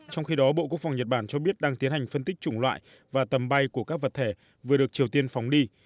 trong khi đó bộ quốc phòng nhật bản cho biết đang tiến hành phân tích chủng loại và tầm bay của các vật thể vừa được triều tiên phóng đi